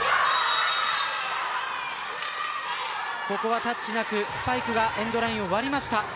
ここはタッチなくスパイクがエンドラインを割りました。